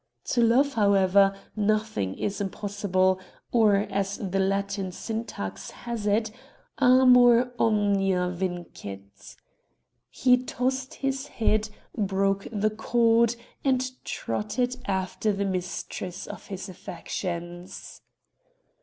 To love, however, nothing is impossible ; or, as the Latin syntax has it, " Amor omnia vincit." He tossed his head, broke the cord, and trotted after the mistress of his affections.